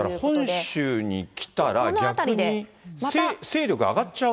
だから本州に来たら、逆に勢力上がっちゃう？